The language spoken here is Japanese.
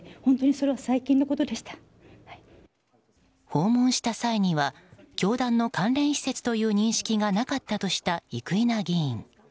訪問した際には教団の関連施設という認識がなかったとした生稲議員。